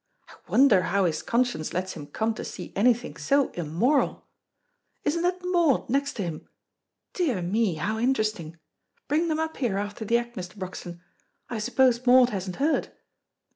"I wonder how his conscience lets him come to see anything so immoral. Isn't that Maud next him? Dear me, how interesting. Bring them up here after the act, Mr. Broxton. I suppose Maud hasn't heard?"